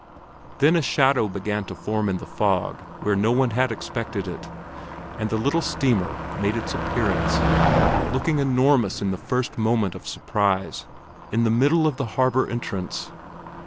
Then a shadow began to form in the fog where no one had expected it, and the little steamer made its appearance—looking enormous in the first moment of surprise—in the middle of the harbor entrance.